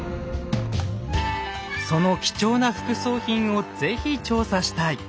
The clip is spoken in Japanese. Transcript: その貴重な副葬品を是非調査したい！